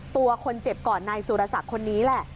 ตัวคนเจ็บก่อนนายสุรศักดิ์คนนี้แหละ